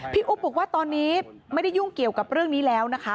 อุ๊บบอกว่าตอนนี้ไม่ได้ยุ่งเกี่ยวกับเรื่องนี้แล้วนะคะ